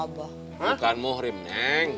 bukan mohrim neng